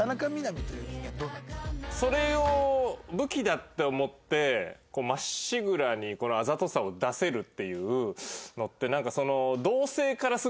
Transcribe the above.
それを武器だって思ってまっしぐらにあざとさを出せるっていうのって。